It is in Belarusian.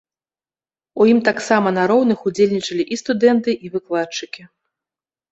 У ім таксама на роўных удзельнічалі і студэнты, і выкладчыкі.